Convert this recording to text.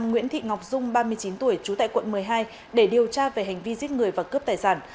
nguyễn thị ngọc dung ba mươi chín tuổi trú tại quận một mươi hai để điều tra về hành vi giết người và cướp tài sản